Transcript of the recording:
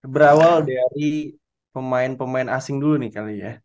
berawal dari pemain pemain asing dulu nih kali ya